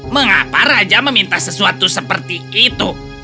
mengapa raja meminta sesuatu seperti itu